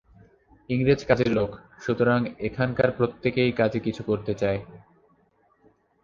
ইংরেজ কাজের লোক, সুতরাং এখানকার প্রত্যেকেই কাজে কিছু করতে চায়।